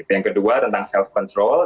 yang kedua tentang self control